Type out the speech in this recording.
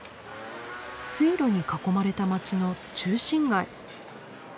水路に囲まれた街の中心街。